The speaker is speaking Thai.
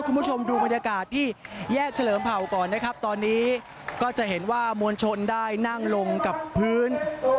คุณผู้ชมดูบรรยากาศที่แยกเฉลิมเผ่าก่อนนะครับตอนนี้ก็จะเห็นว่ามวลชนได้นั่งลงกับพื้น